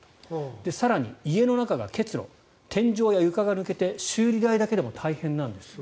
更に、家の中が結露天井や床が抜けて修理代だけでも大変なんです。